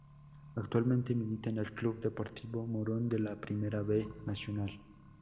Actualmente milita en el Club Deportivo Moron de la Primera B Nacional.